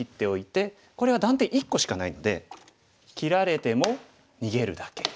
これは断点１個しかないので切られても逃げるだけ。